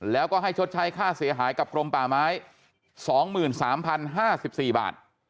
แล้วก็ให้ชดใช้ค่าเสียหายกับกรมป่าไม้๒๓๐๕๔บาท